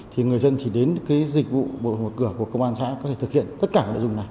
thì người dân chỉ đến dịch vụ một cửa của công an xã có thể thực hiện tất cả các dịch vụ này